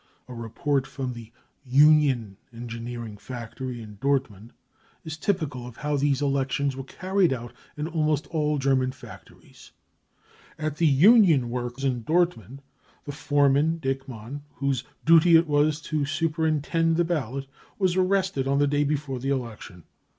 A report from the " Union " engineering factory in Dortmund is typical of how these elections were carried out in almost all German factories :" At the s Union ' works in Dortmund the foreman, Dickmann, whose duty it was to superintend the ballot, was arrested on the day before the election.